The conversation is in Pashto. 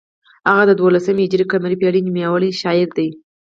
هغه د دولسم هجري قمري پیړۍ نومیالی شاعر دی.